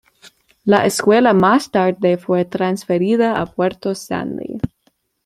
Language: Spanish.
La escuela más tarde fue transferida a Puerto Stanley.